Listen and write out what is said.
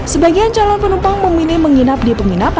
sebagian calon penumpang memilih menginap di penginapan